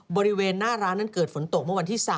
บริเวณหน้าร้านนั้นเกิดฝนตกเมื่อวันที่๓